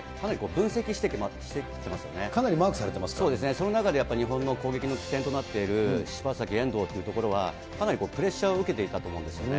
その中で日本の攻撃の起点となっている柴崎、遠藤っていうのは、かなりプレッシャーを受けていたと思うんですよね。